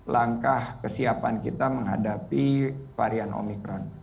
langkah kesiapan kita menghadapi varian omikron